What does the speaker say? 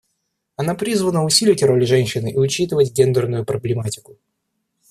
Она призвана усилить роль женщин и учитывать гендерную проблематику.